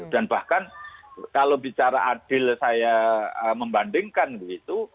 bahkan kalau bicara adil saya membandingkan begitu